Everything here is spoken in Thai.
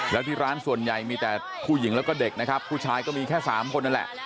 แล้วที่ร้านส่วนใหญ่มีแต่ผู้หญิงแล้วก็เด็กนะครับผู้ชายก็มีแค่๓คนนั่นแหละ